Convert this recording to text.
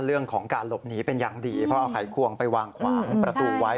เรื่องของการหลบหนีเป็นอย่างดีเพราะเอาไขควงไปวางขวางประตูไว้